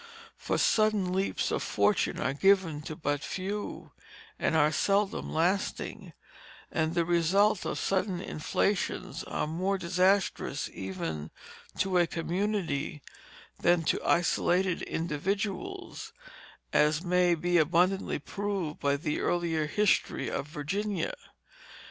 For sudden leaps to fortune are given to but few, and are seldom lasting, and the results of sudden inflations are more disastrous even to a community than to isolated individuals, as may be abundantly proved by the early history of Virginia.